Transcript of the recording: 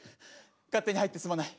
勝手に入ってすまない。